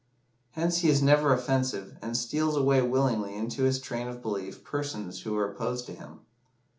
Hence he is never offensive, and steals away willingly into his train of belief persons who were opposed to him.